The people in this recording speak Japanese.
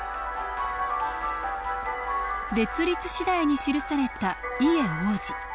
「列立次第」に記された「伊江王子」。